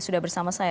sudah bersama saya